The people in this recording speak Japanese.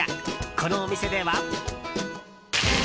このお店では。